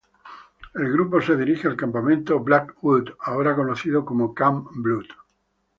El grupo se dirige al campamento Blackwood, ahora conocido como 'Camp Blood'.